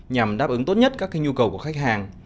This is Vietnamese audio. nhằm đáp ứng tốt nhất các nhu cầu của khách hàng